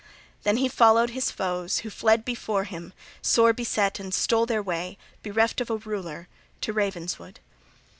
Then he followed his foes, who fled before him sore beset and stole their way, bereft of a ruler, to Ravenswood.